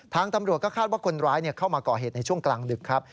ทางตำรวจก็คาดว่าคนร้ายเข้ามาก่อเหตุในช่วงกลางดึกครับ